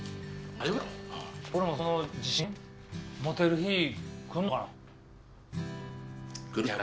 俺もその自信持てる日来んのかな？